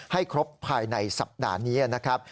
ให้ครบภายในสัปดาห์นี้นะครับ